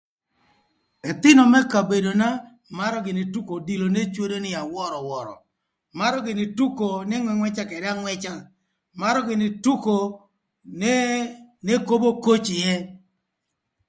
Ëthïnö më kabedona marö gïnï tuko odilo n'ecwodo nï awöröwörö, marö gïnï tuko n'ëngwëngwëca ködë angwëca, marö gïnï tuko n'ekobo koc ïë.